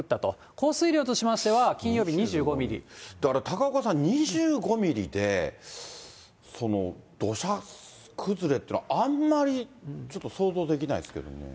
降水量としましては、金曜日２５だから高岡さん、２５ミリで土砂崩れっていうのは、あんまり、ちょっと想像できないですけどね。